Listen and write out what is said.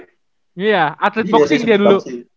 iya atlet boxing dia dulu